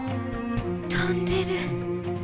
飛んでる。